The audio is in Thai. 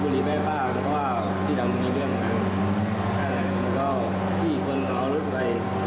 ก็พี่คนเอารถไป๑วันทั้งตอนนั้นไป